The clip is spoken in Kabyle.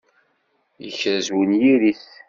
Yekrez unyir-is.